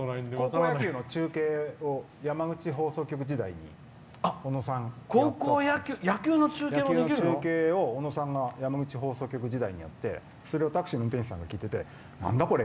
「高校野球」の中継を山口放送局時代に小野さんが山口放送局時代にやってそれをタクシーの運転手さんが聴いててなんだこれ？